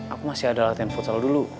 aku masih ada latihan futsal dulu